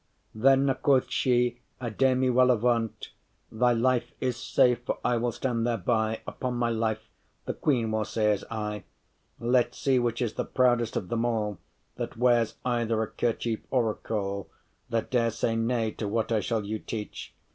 ” “Thenne,” quoth she, “I dare me well avaunt,* *boast, affirm Thy life is safe, for I will stand thereby, Upon my life the queen will say as I: Let see, which is the proudest of them all, That wears either a kerchief or a caul, That dare say nay to that I shall you teach.